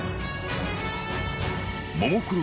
［ももクロ